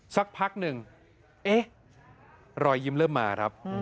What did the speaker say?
สักพักหนึ่งเอ๊ะรอยยิ้มเริ่มมาครับ